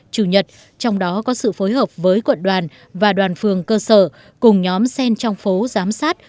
chủ nhật trong đó có sự phối hợp với quận đoàn và đoàn phường cơ sở cùng nhóm xen trong phố giám sát